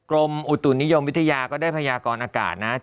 กรมอุตุนิยมวิทยาก็ได้พยากรอากาศนะ